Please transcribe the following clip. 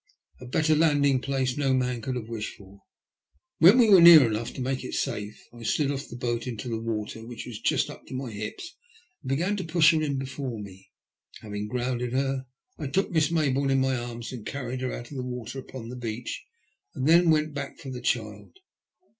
A better landing place no man could have wished for. When we were near enough to make it safe I slid off the boat into the water, which was just up to my hips, and began to push her in before me. Having grounded her I took Miss Mayboume in my arms and carried her out of the water up on to the beach and then went back for the child.